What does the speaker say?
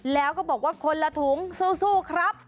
แล้วก็บอกว่าคนละถุงสู้ครับ